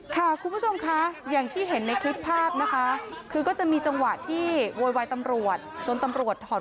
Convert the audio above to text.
ค่ะคุณผู้ชมค่ะอย่างที่เห็นในคลิปภาพนะคะคือก็จะมีจังหวะที่โวยวายตำรวจจนตำรวจถอด